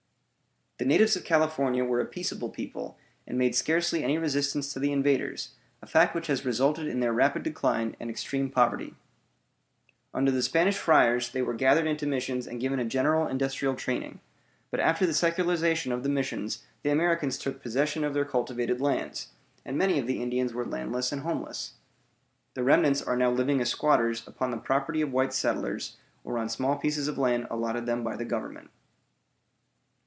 The natives of California were a peaceable people and made scarcely any resistance to the invaders, a fact which has resulted in their rapid decline and extreme poverty. Under the Spanish friars they were gathered into missions and given a general industrial training, but after the secularization of the missions the Americans took possession of their cultivated lands, and many of the Indians were landless and homeless. The remnants are now living as squatters upon the property of white settlers, or on small pieces of land allotted them by the Government.